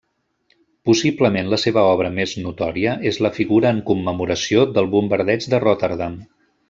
Possiblement la seva obra més notòria és la figura en commemoració del Bombardeig de Rotterdam.